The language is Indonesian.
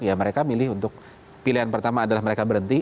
ya mereka milih untuk pilihan pertama adalah mereka berhenti